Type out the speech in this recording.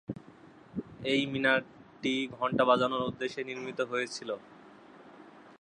এ মিনারটি ঘণ্টা বাজানোর উদ্দেশ্যে নির্মিত হয়েছিল।